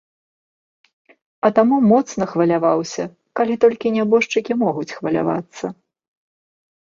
А таму моцна хваляваўся, калі толькі нябожчыкі могуць хвалявацца.